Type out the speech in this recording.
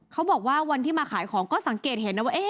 เขาบอกว่าวันที่มาขายของก็สังเกตเห็นนะว่า